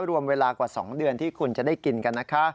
รวมเวลากว่า๒เดือนที่คุณจะได้กินกันนะคะ